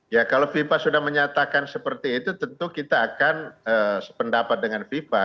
ya kalau viva sudah menyatakan seperti itu tentu kita akan sependapat dengan fifa